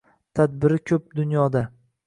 Tadbiri ko’p dunyoda.